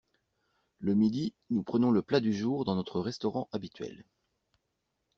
Le midi, nous prenons le plat du jour dans notre restaurant habituel.